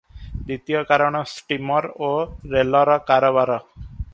ଦ୍ୱିତୀୟ କାରଣ ଷ୍ଟିମର ଓ ରେଲର କାରବାର ।